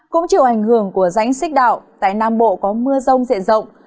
cũng chịu ảnh hưởng của rãnh xích đạo tại nam bộ có mưa rông diện rộng